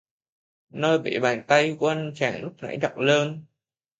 Nơi bị bàn tay của anh chàng lúc nãy đặt lên